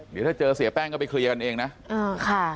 เดี๋ยวถ้าเจอเสียแป้งก็ไปเคลียร์กันเองนะ